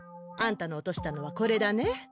あんたの落としたのはこれだね。